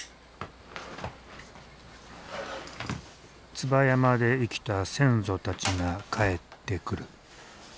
椿山で生きた先祖たちが帰ってくる。